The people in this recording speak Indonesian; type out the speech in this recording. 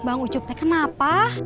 bang ucup teh kenapa